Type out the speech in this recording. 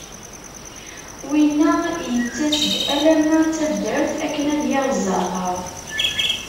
Winna yettas-d alamma d taddart akken ad yaɣ zzeɛter.